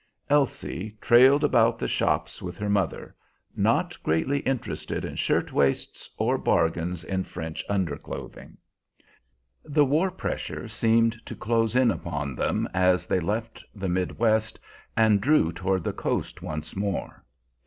Elsie trailed about the shops with her mother, not greatly interested in shirt waists or bargains in French underclothing. The war pressure seemed to close in upon them as they left the mid West and drew toward the coast once more.